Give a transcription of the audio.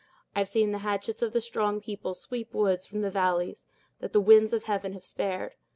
I have seen the hatchets of a strong people sweep woods from the valleys, that the winds of heaven have spared!